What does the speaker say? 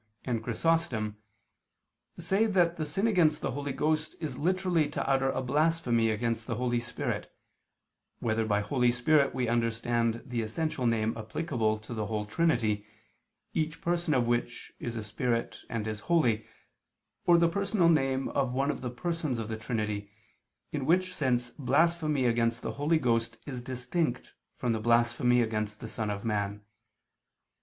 xii), and Chrysostom (Hom. xli in Matth.), say that the sin against the Holy Ghost is literally to utter a blasphemy against the Holy Spirit, whether by Holy Spirit we understand the essential name applicable to the whole Trinity, each Person of which is a Spirit and is holy, or the personal name of one of the Persons of the Trinity, in which sense blasphemy against the Holy Ghost is distinct from the blasphemy against the Son of Man (Matt.